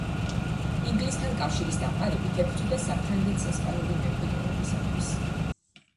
ინგლისთან კავშირის დამყარებით ებრძოდა საფრანგეთს ესპანური მემკვიდრეობისათვის.